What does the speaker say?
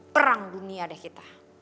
perang dunia deh kita